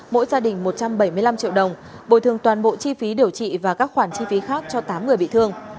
mỗi gia đình một trăm bảy mươi năm triệu đồng bồi thường toàn bộ chi phí điều trị và các khoản chi phí khác cho tám người bị thương